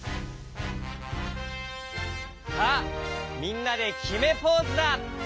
さあみんなできめポーズだ。